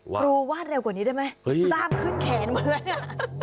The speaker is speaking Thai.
ครูวาดเร็วกว่านี้ได้ไหมร่ามขึ้นแขนเหมือน